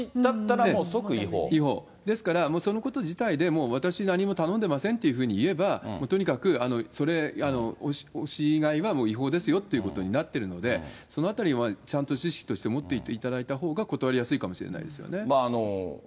ですからもうそのこと自体で、私何も頼んでませんということを言えば、もうとにかくそれ、押し買いはもう違法ですよということになってるので、そのあたりはちゃんと知識として持っていていただいたほうが断りやすいかもしれないですよね。